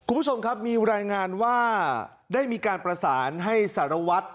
คุณผู้ชมครับมีรายงานว่าได้มีการประสานให้สารวัตร